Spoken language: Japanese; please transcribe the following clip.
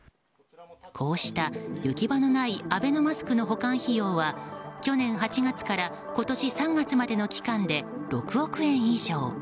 こうした行き場のないアベノマスクの保管費用は去年８月から今年３月までの期間で６億円以上。